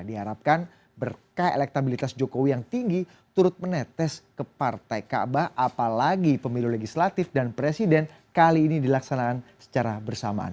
diharapkan berkah elektabilitas jokowi yang tinggi turut menetes ke partai kaabah apalagi pemilu legislatif dan presiden kali ini dilaksanakan secara bersamaan